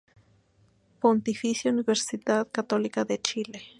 Pontificia Universidad Católica de Chile.